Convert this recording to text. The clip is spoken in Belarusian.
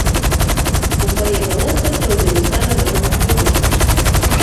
У фае палаца пройдзе выстава народных промыслаў.